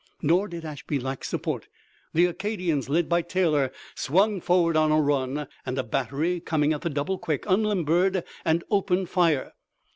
Nor did Ashby lack support. The Acadians led by Taylor swung forward on a run, and a battery, coming at the double quick, unlimbered and opened fire.